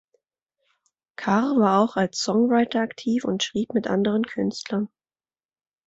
Carr war auch als Songwriter aktiv und schrieb mit anderen Künstlern.